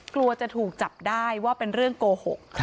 กลัวจะถูกจับได้ว่าเป็นเรื่องโกหก